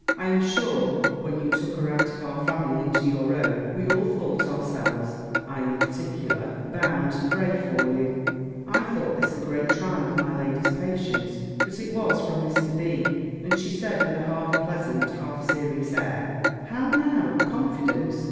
I am sure, when you took her out of our family into your own, we all thought ourselves, I in particular, bound to pray for you." I thought this a great trial of my lady's patience: but it was from Mr. B. And she said, with a half pleasant, half serious air, "How now, Confidence!